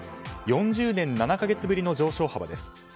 ４０年７か月ぶりの上昇幅です。